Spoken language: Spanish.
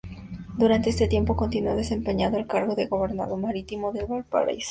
Durante este tiempo continuó desempeñando el cargo de Gobernador Marítimo de Valparaíso.